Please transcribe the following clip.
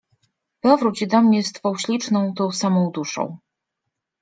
Powróć do mnie z twą śliczną, tą samą duszą!